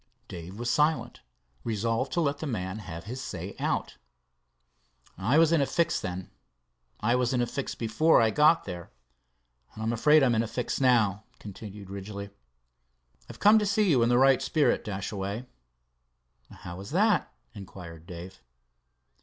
Dave was silent, resolved to let the man have his say out. "I was in a fix then, I was in a fix before I got there, and I'm afraid I'm in a fix now," continued Ridgely. "I've come to see you in the right spirit, Dashaway." "How is that?" inquired Dave.